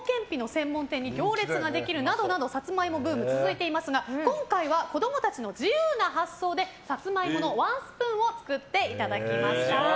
専門店に行列ができるなどなどサツマイモブーム続いていますが今回は子供たちの自由な発想でサツマイモのワンスプーンを作っていただきました。